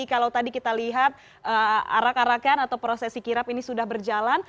kalau tadi kita lihat arak arakan atau prosesi kirap ini sudah berjalan